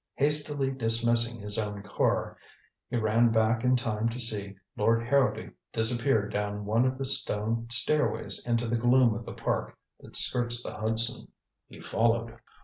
Hastily dismissing his own car, he ran back in time to see Lord Harrowby disappear down one of the stone stairways into the gloom of the park that skirts the Hudson. He followed.